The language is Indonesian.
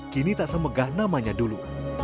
kini tak semegah namanya dulu